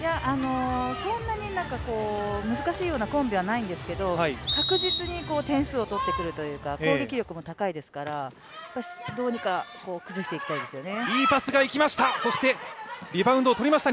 そんなに難しいようなコンビはないんですけど確実に点数を取ってくるというか、攻撃力も高いですから、どうにか崩していきたいですよね。